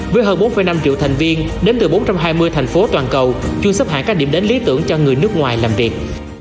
với hơn bốn năm triệu thành viên đến từ bốn trăm hai mươi thành phố toàn cầu chưa sát hại các điểm đến lý tưởng cho người nước ngoài làm việc